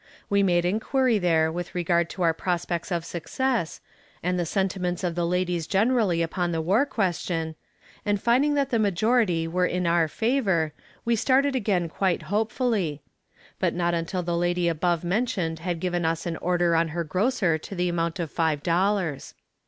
We made inquiry there with regard to our prospects of success, and the sentiments of the ladies generally upon the war question, and finding that the majority were in our favor, we started again quite hopefully but not until the lady above mentioned had given us an order on her grocer to the amount of five dollars.